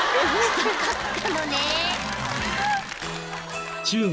［臭かったのね］